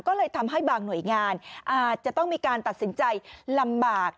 ก็เลยทำให้บางหน่วยงานอาจจะต้องมีการตัดสินใจลำบาก